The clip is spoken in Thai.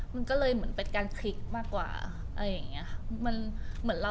มันก็เลยเหมือนเป็นการพลิกมากกว่าอะไรอย่างนี้ค่ะ